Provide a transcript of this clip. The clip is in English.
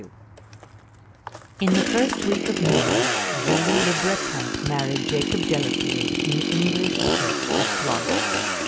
XXII In the first week of May, Julie Le Breton married Jacob Delafield in the English Church at Florence.